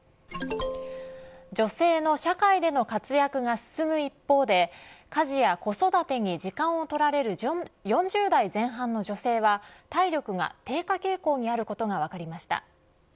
女性の社会での活躍が進む一方で家事や子育てに時間を取られる４０代前半の女性は体力が低下傾向にあることが分かりました。